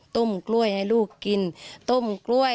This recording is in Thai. กล้วยให้ลูกกินต้มกล้วย